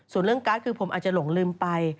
ส่วนเรื่องการ์ดคือผมอาจจะหลงลืมไป